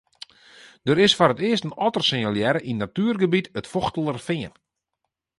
Der is foar it earst in otter sinjalearre yn natuergebiet it Fochtelerfean.